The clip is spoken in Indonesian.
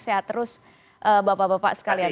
sehat terus bapak bapak sekalian